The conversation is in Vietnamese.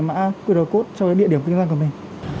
mã qr code cho địa điểm kinh doanh của mình